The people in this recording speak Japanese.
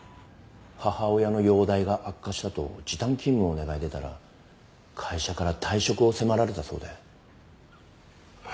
母親の容体が悪化したと時短勤務を願い出たら会社から退職を迫られたそうで。